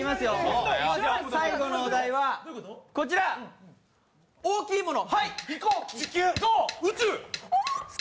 最後のお題はこちら、大きいもの。